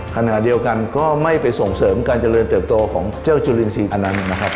ขณะเดียวกันก็ไม่ไปส่งเสริมการเจริญเติบโตของเจ้าจุลินทรีย์อันนั้นนะครับ